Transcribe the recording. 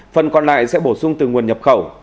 phần còn lại sẽ bổ sung từ nguồn nhập khẩu